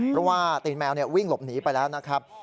เพราะว่าตีนแมววิ่งหลบหนีไปแล้วนะครับ